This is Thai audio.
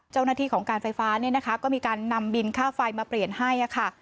เจ้าหน้าที่ของการไฟฟ้าเนี่ยนะคะก็มีการนำบินค่าไฟมาเปลี่ยนให้ค่ะ